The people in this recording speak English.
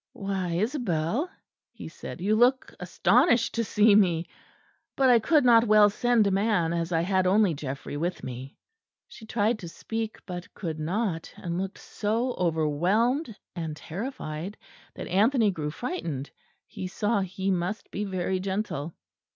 "Why, Isabel," he said, "you look astonished to see me. But I could not well send a man, as I had only Geoffrey with me." She tried to speak, but could not; and looked so overwhelmed and terrified that Anthony grew frightened; he saw he must be very gentle.